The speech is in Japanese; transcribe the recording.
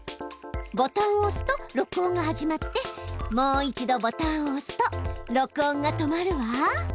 ボタンをおすと録音が始まってもう一度ボタンをおすと録音が止まるわ。